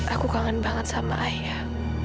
aku kangen banget sama ayah